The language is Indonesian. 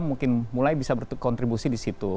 mungkin mulai bisa berkontribusi di situ